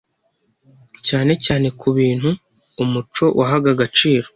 cyane cyane ku bintu umuco wahaga agaciro